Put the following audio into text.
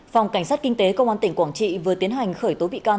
phòng cảnh sát kinh tế công an tỉnh quảng trị vừa tiến hành khởi tố bị can